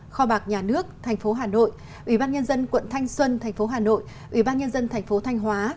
kho bạc nhà nước tp hcm ủy ban nhân dân quận thanh xuân tp hcm ủy ban nhân dân tp thanh hóa